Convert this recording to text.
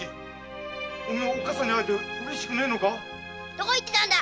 どこに行ってたんだ！